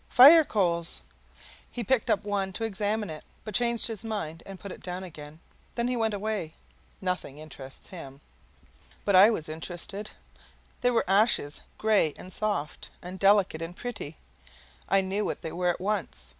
"Fire coals." He picked up one to examine it, but changed his mind and put it down again. Then he went away. NOTHING interests him. But I was interested. There were ashes, gray and soft and delicate and pretty I knew what they were at once.